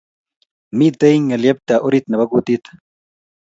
Mitei ngelyepta orit nebo kutit